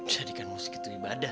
jadikan musik itu ibadah